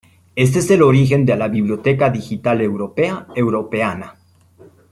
Este es el origen de la biblioteca digital Europea Europeana.